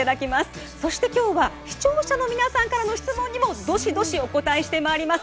そして今日は視聴者の皆さんからの質問にもどしどしお答えしてまいります。